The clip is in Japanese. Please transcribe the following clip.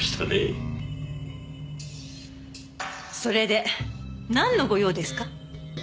それでなんのご用ですか？